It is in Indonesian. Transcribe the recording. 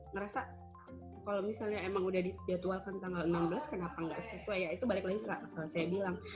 ngerasa kalau misalnya emang udah dijadwalkan tanggal enam belas kenapa nggak sesuai ya itu balik lagi saya bilang